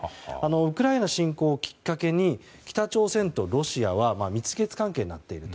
ウクライナ侵攻をきっかけに北朝鮮とロシアは蜜月関係になっていると。